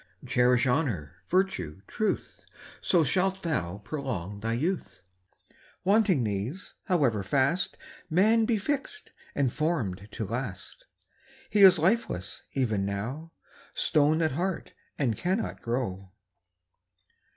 Cherish honour, virtue, truth, So shalt thou prolong thy youth. Wanting these, however fast Man be fix'd and form'd to last, He is lifeless even now, Stone at heart, and cannot grow.